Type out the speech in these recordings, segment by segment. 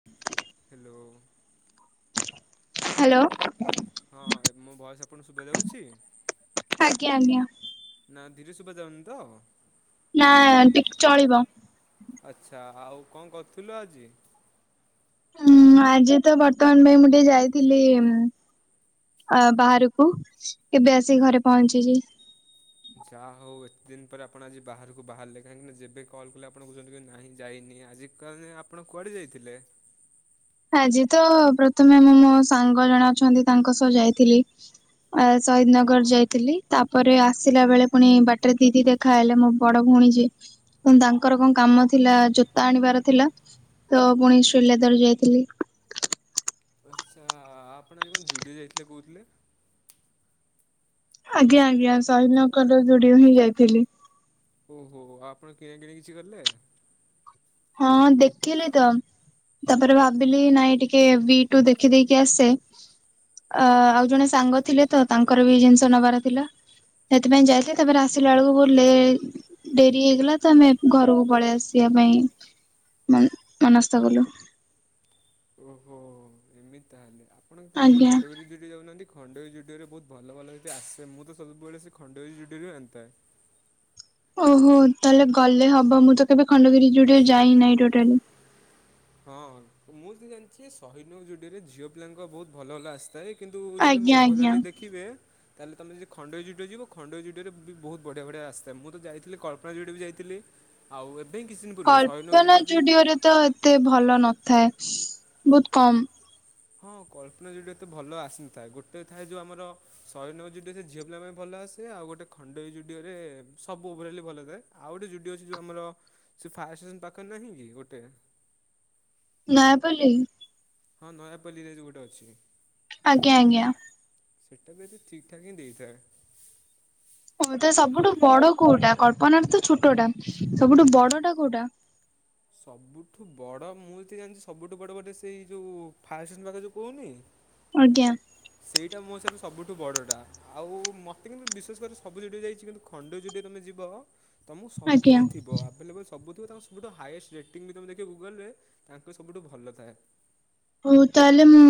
[inaudible] Hello! Hello. ହଁ, ଏ ମୋ ଭଏସ୍ ଆପଣଙ୍କୁ ଶୁଭା ଯାଉଛି? ଆଜ୍ଞା ଆଜ୍ଞା ନା ଧିରେ ଶୁ୍ ଯାଉନି ତ! ନାଁ ଟିକ୍ ଚଳିବ। ଆଚ୍ଛା, ଆଉ କଣ କରୁଥୁଲ ଆଜି? ଉୁଁ, ଆଜି ତ ବର୍ତ୍ତମାନ ପାଇଁ ମୁଁ ଟିକେ ଯାଇଥିଲି, ଉମ୍ ଅ ବାହାରକୁ କେବେ ଆସିିକି ଘରେ ପହଞ୍ଚିଛି। ଯାହା ହଉ, ଏତେ ଦିନ ପରେ ଆପଣ ଆଜି ବାହାରକୁ ବାହାରିଲେ। କାହିଁକିନା ଯେବେ କଲ୍ କଲେ ଆପଣ କହୁଛନ୍ତି, କି ନାହିଁ ଯାଇନି, ଆଜି କାଲି ଆପଣ କୁଆଡେ ଯାଇଥିଲେ? ଆଜି ତ ପ୍ରଥମେ ମୁଁ ମୋ ସାଙ୍ଗ ଜଣେ ଅଛନ୍ତି, ତାଙ୍କ ସହ ଯାଇଥିଲି। ସହିଦନଗର ଯାଇଥିଲି। ତା'ପରେ ଆସିଲା ବେଳେ ପୁଣି ବାଟରେ ଦିଦି ଦେଖ୍ ଖା ହେଲେ, ମୋ ବଡ ଭଉଣୀ ଯିଏ। ପୁଣି ତାଙ୍କର କଣ କାମ ଥିଲା! ଜୋତା ଆଣିବାର ଥିଲା। ତ ପୁଣି ଶ୍ରୀଲେଦର୍ ଯାଇଥିଲି। ଆଚ୍ଛା, ଆପଣ ଆଜି କଣ ଜୁଡିଓ ଯାଇଥିଲେ କହୁଥିଲେ? ଆଜ୍ଞା ଆଜ୍ଞା। ସହିଦ ନଗରର ଜୁଡିଓ ହିଁ ଯାଇଥିଲି। ଓହୋ! ଆପଣ କିଣା କିଣି କିଛି କଲେ? ହଁ, ଦେଖିଲି ତମ। ତା'ପରେ ଭାବିଲି ନାଇଁ ଟିକେ ଭି ଟୁ ଦେଖିଦେଇକି ଆସେ। ଅ ଆଉ, ଜଣେ ସାଙ୍ଗ ଥିଲେ ତ ତାଙ୍କର ବି ଜିନିଷ ନବାର ଥିଲା। ସେଥିପାଇଁ ଯାଇଥିଲି। ତା'ପରେ ଆସିଲା ବେଳକୁ ବହୁତ ଲେ ଡେରି ହେଇଗଲା ତ ଆମେ ଘରକୁ ପଳେଇ ଆସିବା ପାଇଁ ମନ ମନସ୍ତ କଲୁ। ଓହୋ ଏମିତି ତାହେଲେ। ଆପଣ କେବେ ଆଜ୍ଞା ଖଣ୍ଡଗିରି ଯୋରି ଡି ଯାଉନାହାନ୍ତି। ଖଣ୍ଡଗିରି ଜୁଡିଓରେ ବୋହୁତ ଭଲ ଭଲ ତ ଆସେ ମୁଁ ତ ସବୁବେଳେ ସେ ଖଣ୍ଡଗିରି ଜୁଡିଓରୁ ହିଁ ଆଣିଥାଏ। ଓହୋ ତାହେଲେ ଗଲେ ହବ। ମୁଁ ତ କେବେ ଖଣ୍ଡଗିରି ଜୁଡିଓ ଯାଇ ନାହିଁ ଟୋଟାଲି। ହଁ ମୁଁ ଯେତିକି ଜାଣିଚି ସହିନୁବ୍ ଯୁଡ଼ିରେ ଜିଓ ପିଲାଙ୍କ ବୋହୁତ ଭଲ ଭଲ ଆସିଥାଏ। କିନ୍ତୁ ଯଦି ତମେ ଆଜ୍ଞା ଆଜ୍ଞା ଓଭରାଲି ଦେଖିବେ ତାହେଲେ ତମେ ଖଣ୍ଡଗିରି ଜୁଡ଼ିଓ ଯିବ ଖଣ୍ଡଗିରି ଜୁଡ଼ିଓରେ ବି ବୋହୁତ ବଢ଼ିଆ ବଢ଼ିଆ ଆସିଥାଏ। ମୁଁ ତ ଯାଇଥିଲି କ୍ପପନା ଜୁଡ଼ିଓ ବି ଯାଇଥିଲି। ଆଉ ଏବେ କିଛି ଦିନ ପୂର୍ବ ସହିଦ୍ ନଗର ଜୁଡିଓ ବି ଉପରେ ତ ଏତ୍ ଏତେ ଭଲ ନଥାଏ। ବୋହୁତ କମ୍। ହଁ କଳ୍ପନା ଯୁଡ଼ିଓ ଏତେ ଭଲ ଆସିନଥାଏ। ଗୋଟେ ଥାଏ ଯେଉଁ ଆମର ସହିଦ ନଗର ଜୁଡିଓ ସେ ଝିଅ ପିଲା ପାଇଁ ଭଲ ଆ ସେ ଆଉ ଗୋଟେ ଖଣ୍ଡୋଇ ଜୁଡ଼ିଓରେ ସବୁ ଓଭରାଲି ଭଲ ଥାଏ। ଆଉ ଗୋଟେ ଜୁଡ଼ିଓ ଅଛି ଯୋଉ ଆମର ସେଏ ଫାୟାର୍ ଷ୍ଟେସନ ପାଖରେ ନାହିଁ କି? ଗୋଟେ ନୟାପଲ୍ଲୀ? ହଁ ନୟାପଲ୍ଲୀରେ ଯୋଉ ଗୋଟେ ଅଛି। ଆଜ୍ଞା ଆଜ୍ଞା। ସେଇଟା ବି ଏତେ ଠିକ୍ ଠାକ୍ ହିଁ ଦେଇଥାଏ। ହଁ ତ ସବୁଠୁ ବଡ କୋଉଟା? କଳ୍ପନାର ତ ଛୋଟଟା। ସବୁଠୁ ବଡ଼ ଟା କୋଉଟା? ସବୁଠୁ ବଡ଼ ମୁଁ ଯେତିକି ଜାଣିଚି ସବୁଠୁ ବଡ଼ ବୋଧେ ସେଇ ଯୋଉ ଫାୟାର ଷ୍ଟେସନ ପାଖରେ ଯୋଉ କୋହୁନି ଆଜ୍ଞା। ସେଇଟା ମୋ ହିସାବରେ ସବୁଠୁ ବଡ଼ଟା। ଆଉ ମୋତେ କିନ୍ତୁ ବିଶେଷ କରି ସବୁ ଜୁଡିଓ ଯାଇଚି। କିନ୍ତୁ ଖଣ୍ଡଗିରି ଜୁଡିଓଦ ତମେ ଯିବ। ତମକୁ ଆଜ୍ଞା ସବୁ ଥିବ। ଆଭେଲେବୁଲ ସବୁ ଥିବ। ତାଙ୍କ ସ ସବୁଠୁ ହାଇଏଷ୍ଟ ରେଟିଂ ବି ତମେ ଦେଖିବ ଗୁଗଲରେ ତାଙ୍କ ର ସବୁଠୁ ଭଲ ଥାଏ। ହୋଉ ତାହେଲେ ମୁଁ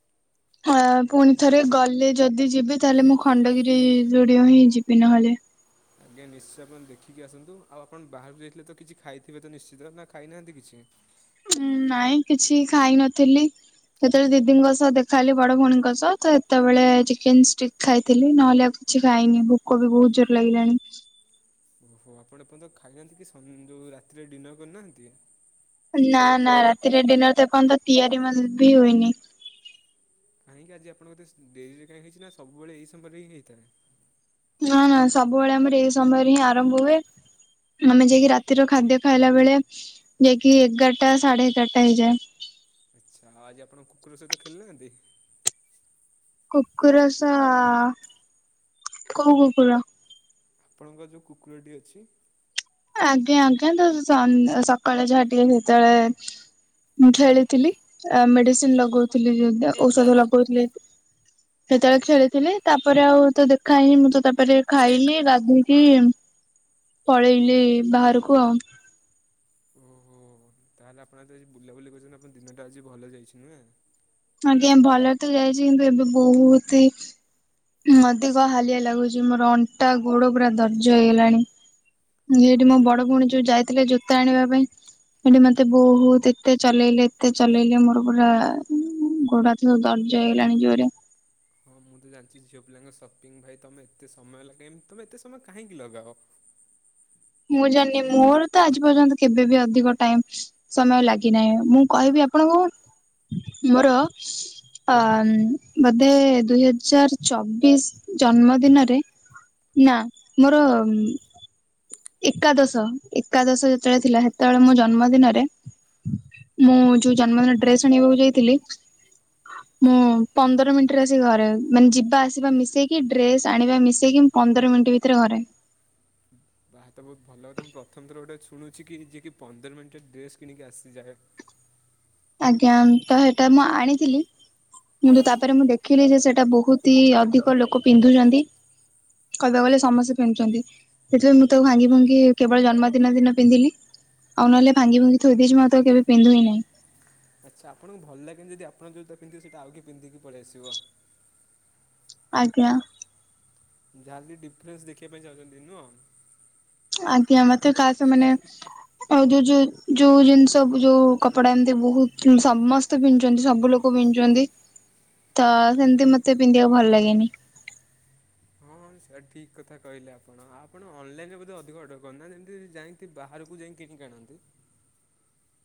[inaudible] ହଁ ଆ ଫୁଣି ଥରେ ଗଲେ ଯଦି ଯିବି ତାହେଲେ ମୁଁ ଖଣ୍ଡଗିରି ଜୁଡିଓ ହିଁ ଯିବି ନହେଲେ। ଆଜ୍ଞା ନିଶ୍ଚୟ ଆପଣ ଦେଖିକି ଆସନ୍ତୁ। ଆଉ ଆପଣ ବାହାରୁକୁ ଯାଇଥିଲେ ତ କିଛି ଖାଇଥିବେ ତ ନିଶ୍ଚିତ। ନା ଖାଇନାହାନ୍ତି କିଛି? ଉଁ ନାଇଁ କିଛି ଖାଇ ନଥିଲି। ଯେତେବେଳେ ଦିଦିଙ୍କ ସହ ଦେଖା ହେଲି ବଡ ଭଉଣୀଙ୍କ ସହ ତ ହେତେବେଳେ ଚିକେନ ଷ୍ଟିକ୍ ଖାଇଥିଲି ନହେଲେ ଆଉ କି କିଛି ଖାଇନି। ଭୋକ ବି ବୋହୁତ ଜୋର୍ ଲାଗିଲାଣି। ଓହୋ ଆପଣ ଏପର୍ଯ୍ୟନ୍ତ ଖାଇନାହାନ୍ତି କି? ସନ୍ ଯୋଉ ରାତିରେ ଡିନର୍ କରିନାହାନ୍ତି? ନା ନା ରାତିରେ ଡିନର ତ ଏପର୍ଯ୍ୟନ୍ତ ତିଆରି ବି ମାନେ ଭି ହୋଇନି। କାହିଁକି ଆଜି ଆପଣଙ୍କର ଏତେ ଶ୍ ଡେରିରେ କାହିଁ ହୋଇଛି ନା। ସବୁବେଳେ ଏଇ ସମୟ ରେ ହେଇଥାଏ। ନା ନା ସବୁବେଳେ ଆମର ଏଇ ସମୟରେ ହିଁ ଆରମ୍ଭ ହୁଏ। ଆମେ ଯାଇକି ରାତିର ଖାଦ୍ୟ ଖାଇଲା ବେଳେ ଯାଇକି ଏଗାରଟା ସାଢେ ଏଗାରଟା ହେଇଯାଏ। ଆଛା ଆଜି ଆପଣ କୁକୁର ସହିତ ଖେଳିନାହାନ୍ତି? କୁକୁରସ କୋଉ କୁକୁର? ଆପଣଙ୍କ ଯୋଉ କୁକୁରଟି ଅଛି। ଆଜ୍ଞା ଆଜ୍ଞା ତା-ତା ଶ୍ ସନ୍ ସକାଳେ ଯାହା ଟିକେ କେତୋଳେ ଉଁ ଖେଳିଥିଲି ଆ ମେଡିସିନ ଲଗୋଉଥିଲି ଯ ଔଷଧ ଲଗେଇଥିଲି ସେତେବେଳେ ଖେଳିଥିଲି ତାପରେ ଆଉ ତ ଦେଖା ହିଁ ମୁଁ ତ ତା ତାପରେ ଖାଇଲି ଗାଧୋଇକି ପଳେଇଲି ବାହାରକୁ ଆଉ। ଓହୋ ତାହେଲେ ଆପଣ ତ ଆଜି ବୁଲାବୁଲି କରୁଚନ୍ତି। ଆପଣ ଦିନଟା ଆଜି ଭଲ ଯାଇଛି ନୁହେଁ? ଆଜ୍ଞା ଭଲରେ ତ ଯାଇଚି କିନ୍ତୁ ଏବେ ବୋହୁତ ହିଁ ଉଁ ଅଧିକ ହାଲିଆ ଲାଗୁଚି ମୋର ଅଣ୍ଟା ଗୋଡ ପୁରା ଦର୍ଜ ହେଇଗଲାଣି। ଉଁ ହଁ ହେଇଠି ଏବେ ମୋ ତ ହଁ ବଡ ଭଉଣୀ ଯୋଉ ଯାଇଥିଲେ ଜୋତା ଆଣିବା ପାଇଁ ହେଠି ମତେ ବୋହୁତ ଏତେ ଚଲେଇଲେ ଏତେ ଚଲେଇଲେ ମୋର ପୁରା ଉଁ ଗୋଡ଼ ହାତ ସବୁ ଦର୍ଜ ହେଇଗଲାଣି ଜୋରେ। ହଁ ମୁଁ ତ ଜାଣଚି ଝିଅ ପିଲାଙ୍କ ସପିଙ୍ଗ ଭାଇ ତମେ ଏତେ ସମୟ ଲାଗେ ଏମ୍ ତମେ ଏତେ ସମୟ କାହିଁକି ଲଗାଅ? ମୁଁ ଜାଣିନି ମୋର ତ ଆଜି ପର୍ଯ୍ୟନ୍ତ କେବେବି ଅଧିକ ଟାଇମ୍ ସମୟ ଲାଗିନାହିଁ। ମୁଁ କହିବି ଆପଣଙ୍କୁ ମୋର ଅ ବୋଧେ ଦୁଇ ହଜାର ଚବିଶ ଜନ୍ମଦିନରେ ନା ମୋର ଏକାଦଶ। ଏକାଦଶ ଯେତେବେଳେ ଥିଲା, ସେତେବେଳେ ମୋ ଜନ୍ମ ଦିନରେ ମୁଁ ଯୋଉ ଜନ୍ମଦିନ ଡ୍ରେସ୍ ଆଣିବାକୁ ଯାଇଥିଲି। ହ ମୁଁ ପନ୍ଦର ମିନିଟ୍ରେ ଆସିକି ଘରେ। ମାନେ ଯିବା ଆସିବା ମିଶେଇ କି, ଡ୍ରେସ୍ ଆଣିବା ମିଶେଇ କି ପନ୍ଦର ମିନିଟ୍ ଭିତରେ ଘରେ। ବାହା ତ ବହୁତ ଭଲ ତ, ମୁଁ ପ୍ରଥମ ଥର ଗୋଟେ ଶୁଣୁଛି କି, ଯିଏ କି ପନ୍ଦର ମିନିଟ୍ ରେ ଡ୍ରେସ୍ କିଣିକି ଆସିଯାଏ। ଆଜ୍ଞା ତ ହେଟା ମୁଁ ଆଣିଥିଲି। କିନ୍ତୁ ତାପରେ ମୁଁ ଦେଖିଲି ଯେ ସେଟା ବହୁତି ଅଧିକ ଲୋକ ପିନ୍ଧୁଛନ୍ତି। କହିବାକୁ ଗଲେ ସମସ୍ତେ ପିନ୍ଧୁଛନ୍ତି। ସେଥିପାଇଁ ମୁଁ ତାକୁ ଭାଙ୍ଗି ଭୁଙ୍ଗି କେବଳ ଜନ୍ମଦିନ ଦିନ ପିନ୍ଧିଲି। ଆଉ ନହଲେ ଭାଙ୍ଗି ଭୁଙ୍ଗି ଥୋଇ ଦେଇଛି। ମୁଁ ତାକୁ କେବେ ପିନ୍ଧୁ ହିଁ ନାହିଁ। ଆଚ୍ଛା ଆପଣଙ୍କୁ ଭଲ ଲାଗେନି ଯଦି ଆପଣ ଯୋଉଟା ପିନ୍ଧି ଥିବେ ସେଟା ଆଉ କିଏ ପିନ୍ଧି ଦେଇକି ପଳେଇଆସିବ। ଆଜ୍ଞା। ଜାହା ବି ଡିଫରେନ୍ସ ଦେଖିବା ପାଇଁ ଚାହୁଁଛନ୍ତି ନୁହଁ? ଆଜ୍ଞା। ମତେ କାହା ସ ମାନେ ଆଉ ଯୋଉ ଯୋଉ, ଯୋଉ ଜିନିଷ ଯୋଉ କପଡା, ଏମିତି ବହୁତ ସମସ୍ତ ତ ପିନ୍ଧୁଛନ୍ତି ସବୁ ଲୋକ ପିନ୍ଧୁଛନ୍ତି, ତ ସେମିତି ମତେ ପିନ୍ଧିବାକୁ ଭଲ ଲାଗେନି। ହଁ ସେଇଟା ଠିକ୍ କଥା କହିଲେ ଆପଣ। ଆପଣ ଅନଲାଇନ୍ ରେ ବୋଧେ ଅଧିକ ଅର୍ଡର କରନ୍ତ? ଯେମିତି ଯାଇ ବାହାରକୁ ଯାଇ କିଣିକି ଆଣନ୍ତି?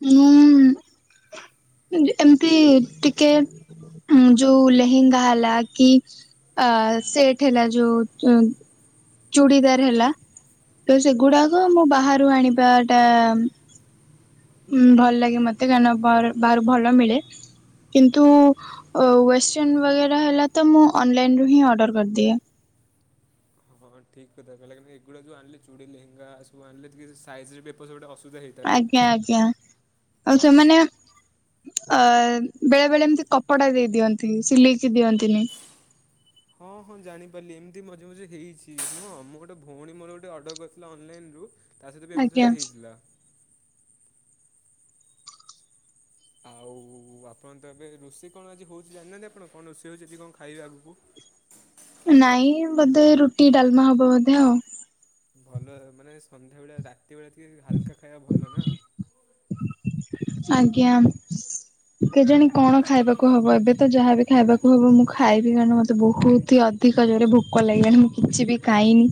ମୁଁ ଏମିତି ଟିକେ ଉ ଯୋଉ ଲେହେଙ୍ଗା ହେଲା କି ଆ- ସେଠ୍ ହେଲା ଯୋଉ ଚୁଡ଼ିଦାର ହେଲା। ତ ସେଗୁଡାକ ମୁଁ ବାହାରୁ ଆଣିବାଟା ଉଁ ଭଲ ଲାଗେ ମତେ। କାରଣ ବାର-ବାହାରୁ ଭଲ ମିଳେ। କିନ୍ତୁ ୱେଷ୍ଟର୍ଣ ବଗେରା ହେଲା ତ, ମୁଁ ଅନଲାଇନ୍ ରୁ ହିଁ ଅର୍ଡ଼ର କରିଦିଏ। ହଁ ଠିକ୍ କଥା କହିଲ, ଏଗୁଡା ଯଉ ଆଣିଲେ ଚୁଡ଼ି ଲେହଙ୍ଗା ସବୁ ଆଣିଲେ, ଠିକ୍ ସାଇଜ୍ ରେ ବି ଏପଟ ସେପଟ ଅସୁବିଧା ହେଇଥିବ? ଆଜ୍ଞା ଆଜ୍ଞା। ଆଉ ୱେଷ୍ଟ ସେମାନେ? ଅ ବେଳେ ବେଳେ, ଏମିତି କପଡା ଦେଇ ଦିଅନ୍ତି ସିଲେଇକି ଦିଅନ୍ତିନି। ହଁ ହଁ ଜାଣିପାରିଲି, ଏମିତି ମଝିରେ ମଝିରେ, ହେଇଛି ନୁହଁ, ମୋର ଗୋଟେ ଭଉଣୀ ମୋର ଗୋଟେ ଅର୍ଡ଼ର କରିଥିଲା ଅନଲାଇନ୍ ରୁ ତା ସହିତ ବି ଏମିତି ଆଜ୍ଞା ଥରେ ହେଇଥିଲା। ଆଉ ଆପଣ ତ ଏବେ ରୋଷେଇ କଣ ଆଜି ହଉଛି ଜାଣିନାହାନ୍ତି ଆପଣ? କଣ ରୋଷେଇ ହଉଛନ୍ତି ଯ କଣ ଖାଇବେ ଆଗକୁ? ନାଇଁ ବୋଧେ ରୁଟି ଡାଲମା, ହବ ବୋଧେ ଆଉ। ଭଲ, ମାନେ ସନ୍ଧ୍ୟାବେଳା ରାତି ବେଳେ ଟିକେ ହାଲକା ଖାଇବା, ଭଲ ନା। ଆଜ୍ଞା। କେଜାଣି କଣ ଖାଇବାକୁ ହବ? ଏବେ ତ ଯାହାବି ଖାଇବାକୁ ହବ, ମୁଁ ଖାଇବି, କାରଣ ମତେ ବହୁତ ହି ଅଧିକ, ଜୋରେ ଭୋକ ଲାଗିଲାଣି। ମୁଁ କିଛି ବି ଖାଇନି।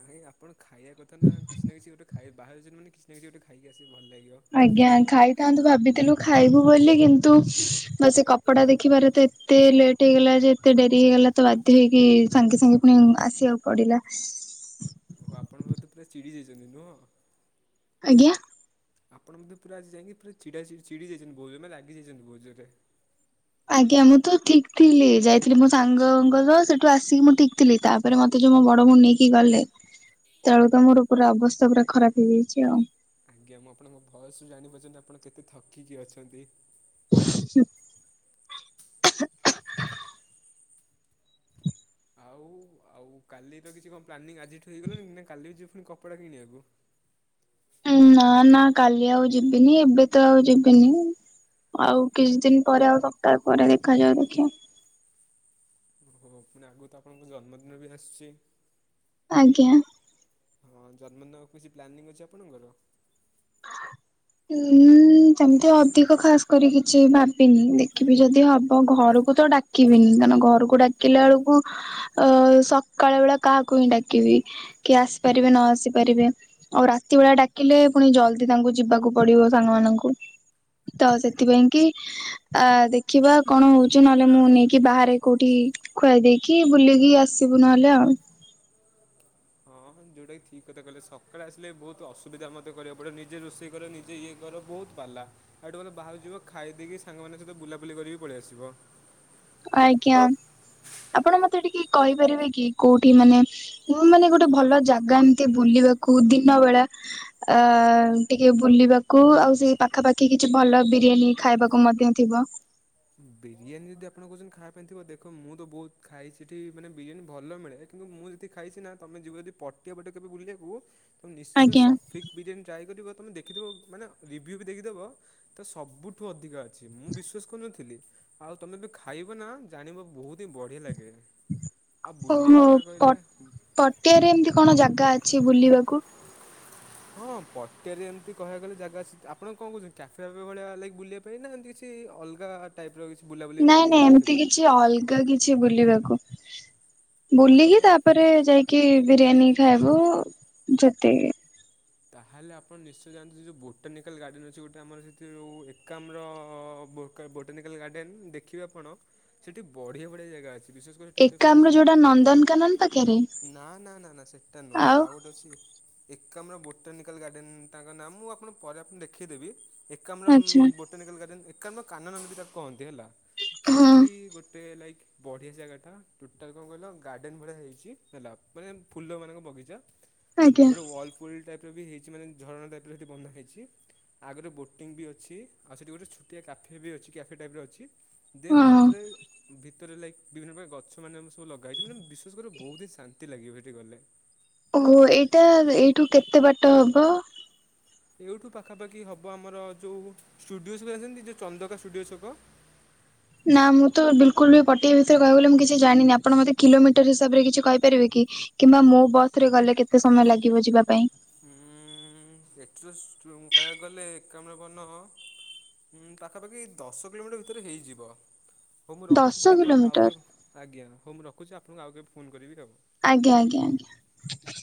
ଆଇଁ ଆପଣ ଖାଇବା କଥା ନା, କିଛି ନା କିଛି ଗୋଟେ ଖାଇ, ବାହାରେ ଅଛନ୍ତି ମାନେ କିଛି ନା କିଛି ଗୋଟେ ଖାଇକି ଆସିଲେ ଭଲ ଲାଗିବ। ଆଜ୍ଞା ଖାଇଥାନ୍ତୁ ଭାବିଥିଲୁ ଖାଇବୁ ବୋଲି, କିନ୍ତୁ ବା ସେ କପଡ଼ା ଦେଖିବାରେ ତ ଏତେ ଲେଟ୍ ଟ୍, ହେଇଗଲା ଯେ, ଏତେ ଡେରି ହେଇଗଲା। ତ ବାଧ୍ୟ ହେଇକି ସାଙ୍ଗେ ସାଙ୍ଗେ ପୁଣି ଆସିବାକୁ ପଡିଲା। ଓହୋ। ଆପଣ ବଧେ ପୁରା ଚିଡି ଯାଇଛନ୍ତି ନୁହଁ? ଆଜ୍ଞା। ଆପଣ ବୋଧେ ପୁରା ଆଜି ଯାଇକି ପୁରା ଛିଡା- ଛିଡି ଯାଇଛନ୍ତି କହୁଛନ୍ତି ମାନେ ପୁରା ରାଗିଯାଇଛନ୍ତି ବୋହୁତ୍ ଜୋରେ? ଆଜ୍ଞା। ମୁଁ ତ ଠିକ୍ ଥିଲି। ଯାଇଥିଲି ମୋ ସାଙ୍ଗଙ୍କ ସହ ସେଠୁ ଆସିକି ମୁଁ ଠିକ୍ ଥିଲି। ତାପରେ ମତେ ଯୋଉ ମୋ ବଡ ଭଉଣୀ ନେଇକି ଗଲେ ତେଳୁ ତ ମୋର ପୁରା ଅବସ୍ଥା, ପୁରା ଖରାପ ହେଇଯାଇଛି ଆଉ। ଆଜ୍ଞା। ମୁଁ ଆପଣଙ୍କ ଭୟସରୁୁ ଜାଣିପାରୁଛନ୍ତି, ଆପଣ କେତେ ଥକିକି ଅଛନ୍ତି। ସେ [unintelligible] ଆଉ ଆଉ କାଲି ତ କିଛି କଁ ପ୍ଲାନିଂ ଆଜିଠୁ ହେଇଗଲାଣି ନାଁ କାଲି ବି ଯିବ ଫୁଣି କପଡ଼ା କିଣିବାକୁ? ଏଁ ନାଁ ନାଁ କାଲି ଆଉ ଯିବିନି ଏବେ ତ ଆଉ ଯିବିନି। ଆଉ କିଛି ଦିନ ପରେ ଆଉ ସପ୍ତାହେ ପରେ ଦେଖାଯାଉ ଦେଖିଆ। ଓହୋ ପୁଣି ଆଗୁକୁ ତ ଆପଣଙ୍କ ଜନ୍ମଦିନ ବି ଆସୁଚି। ଆଜ୍ଞା। ହଁ ଜନ୍ମଦିନ ଆଉ କିଛି ପ୍ଲାନିଂ ଅଛି ଆପଣଙ୍କର? ଉଁ ହୁଁ। ଉଁ ଯେମତି ଅଧିକ ଖାସ୍ କରି କିଛି ଭାବିନି ଦେଖିବି ଯଦି ହବ ଘରକୁ ତ ଡା କିବିନି ତା ନ ଘରୁକୁ ଡାକିଲା ଅଳୁକୁ ଅ ସକାଳ ବେଳା କାହାକୁ ହିଁ ଡାକିବି? କିଏ ଆସି ପାରିବେ ନ ଆସି ପାରିବେ ଆଉ ରାତି ବେଳା ଡାକିଲେ ପୁଣି ଜଲ୍ଦି ତାଙ୍କୁ ଯିବାକୁ ପଡ଼ିବ ସାଙ୍ଗମାନଙ୍କୁ ତ ସେଥିପାଇଁ କି ତା ଦେଖିବା କଣ ହଉଚି ନହେଲେ ମୁଁ ନେଇକି ବାହାରେ କୋଉଠି ଖୁଆଇ ଦେଇକି ବୁଲିକି ଆସିବୁ ନହେଲେ ଆ। ହଁ ଯୋଉଟା କି ଠିକ୍ କଥା କଇଲେ ସକାଳେ ଆସିଲେ ବୋହୁତୁ ଅସୁବିଧା ମତେ କରିବାଉ ପଡ଼ିଅ ନିଜେ ରୋଷେଇ କର ନି ଯେ ଇଏ କର ବୋହୁତ ପାଲା ଆଠୁ ଭଲ ବାହାରୁ ଯିବ ଖାଇ ଦେଇକି ସାଙ୍ଗମାନଙ୍କ ସହିତ ବୁଲାବୁଲି କରିକି ପଳିଆସିବ। ଆଜ୍ଞା ଆପଣ ମତେ ଟିକେ କହିପାରିବେ କି କୋଉଠି ମାନେ ମୁଁ ମାନେ ଗୋଟେ ଭଲ ଜାଗା ଏମତି ବୁଲିବାକୁ ଦିନ ବେଳା ଅ ଟିକେ ବୁଲିବାକୁ ଆଉ ସେଇ ପାଖାପାଖି କିଛି ଭଲ ବିରିୟାନୀ ଖାଇବାକୁ ମଧ୍ୟ ଥିବ। ଉଁ ବିରିୟାନୀ ଯଦି ଆପଣ କୋହୁଚନ୍ତି ଖାଇବା ପାଇଁ ଥିବ ଦେଖ ମୁଁ ତ ବୋହୁତ ଖାଇ ସେଠି ମାନେ ବିରିୟାନୀ ଭଲ ମିଳେ। କିନ୍ତୁ ମୁଁ ଯେତି ଖାଇଛି ନାଁ ତମେ ଯିବ ଯଦି ପଟିିଆ ପଟେ କେବେ ବୁଲିଆକୁ ତମେ ନିଶ୍ଚୟ ଆଜ୍ଞା ସଫିକ୍ ବିରିୟାନୀ ଟ୍ରାଏ କରିବ ତମେ ଦେଖିଦବ ମାନେ ରିଭ୍ୟୁ ବି ଦେଖିଦବ ତ ସବୁଠୁ ଅଧିକା ଅଛି ମୁଁ ବିଶ୍ବାସ କରୁନଥିଲି। ଆଉ ତମେ ବି ଖାଇବ ନାଁ ଜାଣିବା ବୋହୁତି ବଢ଼ିଆ ଲାଗେ। ଆ ବୁଲିଆ କଥା କହିଲେ ଉଁ ପଟିଆ ରେ ଏମିତି କଣ ଜାଗା ଅଛି ବୁଲିବାକୁ? ହଁ ପଟିଆରେ ଏମିତି କହିବା ଗଲେ ଜାଗା ଅଛି ଆପଣ କଣ କହୁଛନ୍ତି କ୍ୟାଫେ ଫାଫେ ଭଳିଆ ଲାଇକ୍ ବୁଲିବା ଦେଇ ନାହାନ୍ତି କିଛି ଅଲଗା ଟାଇପ୍ ର କିଛି ବୁଲାବୁଲି ନାଇଁ ପାଇଁ ନାଇଁ ଭଲ ଥିବ ଏମିତି କିଛି ଅଲଗା କିଛି ବୁଲିବାକୁ? ତ ଆପଣ ବୁଲିକି ଥରେ ତାପରେ ଯାଇକି ବିରିୟାନୀ ଖାଇବୁ ସେତିକି। ତହେଲେ ଆପଣ ନିଶ୍ଚୟ ଜାଆନ୍ତୁ ଯେଉଁ ବୋଟାନିକାଲ୍ ଗାର୍ଡ଼େନ୍ ଅଛି ଗୋଟେ ଆମର ସେଥିରେ ଯେଉ ଏକାମର କେ ବୋଟାନିକାଲ୍ ଗାର୍ଡେନ୍ ଦେଖିବେ ଆପଣ ସେଠି ବଢ଼ିଆ ବଢ଼ିଆ ଜେଗା ଅଛି ବିଶ୍ୱାସ କରି ଟି ଓଟେ ଫାସ୍ ଏକାମ୍ର ଯୋଉଟା ନନ୍ଦନକାନନ ପାଖରେ ନାଁ ନାଁ ନାଁ ନାଁ ସେଟା ନୁହଁ ଆଉ ଓ ତ ଅଛି ଏକାମ୍ର ବୋଟାନିକାଲ୍ ଗାଡ଼େନ୍ ତାଙ୍କ ନାଁ ମୁଁ ଆପଣ ପରେ ଆପଣ ଦେଖେଇଦେବି ଏ କାମ୍ର ଉଁ ଆଚ୍ଛା ବୋଟାନିକାଲ୍ ଗାର୍ଡ଼େନ୍ ଏକାମ୍ର କାନନ ବୋଲି ତାକୁ କହନ୍ତି ହେଲା ହଁ ସେଠି ଗୋ ଟେ ଲାଇକ୍ ବଢ଼ିଆ ଜାଗାଟା ଟୋଟାଲ୍ କଁ କହିଲ ଗାର୍ଡ଼େନ୍ ଭଳିଆ ହେଇଚି ହେଲା ମାନେ ଫୁଲମାନଙ୍କ ବଗିଚା। ଆଜ୍ଞା ଗୋଟେ ୱାଲପୁଲ୍ ଟାଇପ୍ ର ବି ହେଇଚି ମାନେ ଝରଣା ଟାଇପ୍ ର ହେଟି ବନ୍ଧା ହେଇଚି। ଆଗରେ ବୋଟିଂ ବି ଅଛି ଆଉ ସେଠି ଗୋଟେ ଛୋଟିଆ କାଫେ ବି ଅଛି କ୍ୟାଫେ ଟାଇପ୍ ର ଅଛି। ଦେନ୍ ହଁ। ତାପରେ ଭି ତରେ ଲାଇ ବିଭିନ୍ନ ପ୍ରକାର ଗଛ ମାନେ ମ ସବୁ ଲଗା ହେଇଚି ମାନେ ବିଶ୍ଵାସ କରିଉ ବୋହୁତି ଶାନ୍ତି ଲାଗିବ ହେଠି ଗଲେ। ଓହୋ ଏଇଟା ଏଇଠୁ କେତେ ବାଟ ହବ? ଏଇଠୁ ପାଖାପାଖି ହବ ଆମର ଯେଉଁ ଷ୍ଟୁଡିଓ ଛକ ଜାଣିଛନ୍ତି ଯେଉଁ ଚନ୍ଦକା ଷ୍ଟୁଡିଓ ଛକ ନା ମୁଁ ତ ବିଲକୁଲ ବି ପଟିଆ ବିଷୟରେ କହିବାକୁ ଗଲେ ମୁଁ କିଛି ଜାଣିନି। ଆପଣ ମୋତେ କିଲୋମିଟର ହିସାବରେ କିଛି କହିପାରିବେ କି? କିମ୍ବା ମୋ ବସ୍ ରେ ଗଲେ କେତେ ସମୟ ଲାଗିବ ଯିବା ପାଇଁ? ହୁଁ ଏଠି ତ କହିବାକୁ ଗଲେ ଏକାମରେ କନ ହୁଁ ପାଖାପାଖି ଦଶ କିଲୋମିଟର ଭିତରେ ହେଇଯିବ, ହଉ ମୁଁ ଦଶ ରଖୁଛି ଆପଣଙ୍କୁ ଆଉ କିଲୋମିଟର କେବେ ଆଜ୍ଞା। ହଉ ମୁଁ ରଖୁଛି। ଆପଣଙ୍କୁ ଆଉ କେବେ ଫୋନ୍ କରିବି। ଆଜ୍ଞା ଆଜ୍ଞା ଆଜ୍ଞା।